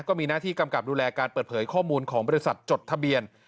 ก็มีหน้าที่กำกับดูแลการเปิดเผยข้อมูลของบริษัทจดทะเบียน